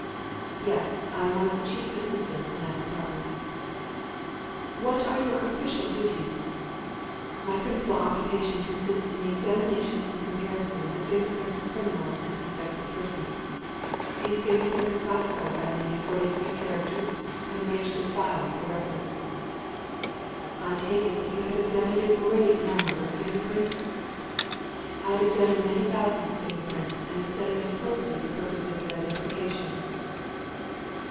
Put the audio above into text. "Yes. I am one of the chief assistants in that department." "What are your official duties?" "My principal occupation consists in the examination and comparison of the finger prints of criminals and suspected persons. These finger prints are classified by me according to their characters and arranged in files for reference." "I take it that you have examined a great number of finger prints?" "I have examined many thousands of finger prints, and have studied them closely for purposes of identification."